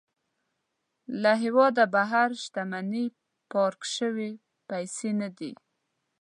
له هېواده بهر شتمني پارک شوې پيسې نه دي.